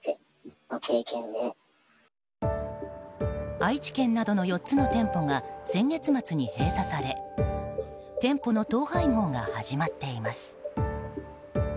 愛知県などの４つの店舗が先月末に閉鎖され店舗の統廃合が始まっています。